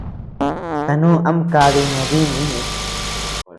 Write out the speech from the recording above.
Kanuu ama kadi noo dinuu ñeʼë.